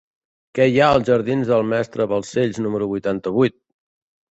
Què hi ha als jardins del Mestre Balcells número vuitanta-vuit?